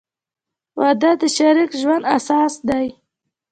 • واده د شریک ژوند اساس دی.